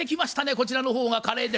こちらの方がカレーです。